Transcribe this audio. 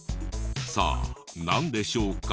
さあなんでしょうか？